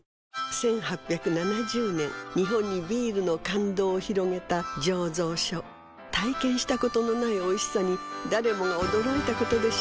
１８７０年日本にビールの感動を広げた醸造所体験したことのないおいしさに誰もが驚いたことでしょう